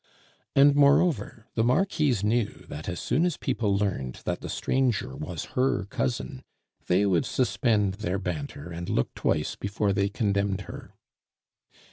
And, moreover, the Marquise knew that as soon as people learned that the stranger was her cousin, they would suspend their banter and look twice before they condemned her.